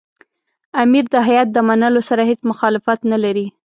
امیر د هیات د منلو سره هېڅ مخالفت نه لري.